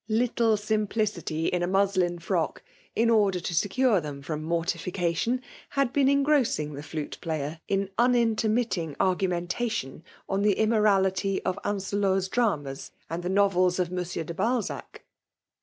Little Simplicity in a muslin firock, in order to secure them firom mortification, had been en grossing the flute player in unintermittiiig argumraitation on the immorality of Ance lot's dramas aad the novels of Monsievr de Babac!